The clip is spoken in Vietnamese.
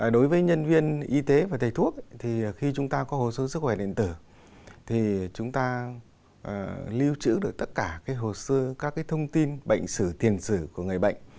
đối với nhân viên y tế và thầy thuốc thì khi chúng ta có hồ sơ sức khỏe điện tử thì chúng ta lưu trữ được tất cả các thông tin bệnh sử tiền sử của người bệnh